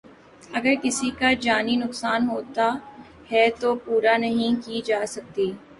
اگر کسی کا جانی نقصان ہوتا ہے تو پورا نہیں کی جا سکتی